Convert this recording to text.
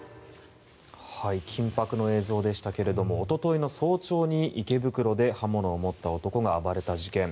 緊迫の映像でしたけれどもおとといの早朝に池袋で刃物を持った男が暴れた事件。